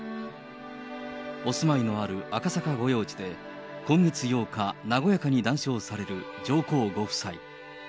お住まいのある赤坂御用地で、今月８日、和やかに談笑される上皇ご夫妻。